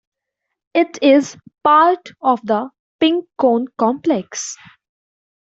It is part of the Pink Cone complex.